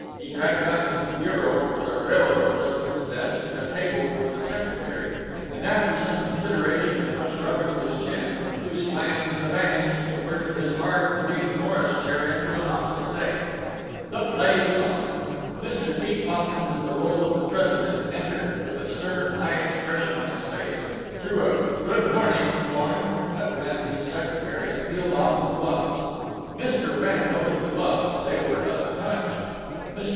He dragged out his bureau for the railroad president's desk, and a table for the secretary, and, after some consideration and much rubbing of his chin, with two slams and a bang he converted his hard green Morris chair into an office safe. The play was on. Mr. T. Poppins, in the role of the president, entered, with a stern high expression on his face, threw a "Good morning, Thorne," at Wrenn, his secretary, and peeled off his gloves. (Mr. Wrenn noted the gloves; they were a Touch.) Mr.